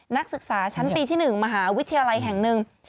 นักศึกษาชั้นปีที่๑มหาวิทยาลัยแห่งหนึ่ง